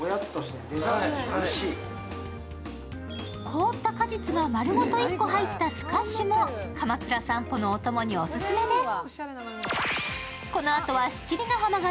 凍った果実が丸ごと１個入ったスカッシュも鎌倉散歩のお供にオススメです。